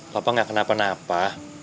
loh pak gak kenapa napa